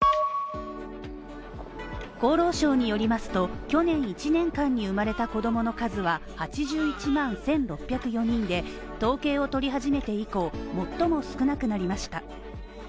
厚労省によりますと、去年１年間に生まれた子供の数は８１万１６０４人で、統計を取り始めて以降、最も少なくなりました。